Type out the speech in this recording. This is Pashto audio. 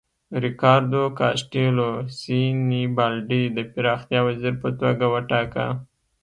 ریکاردو کاسټیلو سینیبالډي د پراختیا وزیر په توګه وټاکه.